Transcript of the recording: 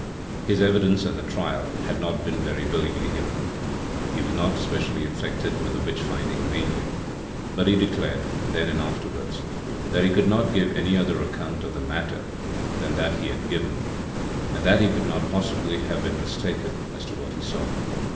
His evidence at the trial had not been very willingly given; he was not specially infected with the witch finding mania, but he declared, then and afterwards, that he could not give any other account of the matter than that he had given, and that he could not possibly have been mistaken as to what he saw.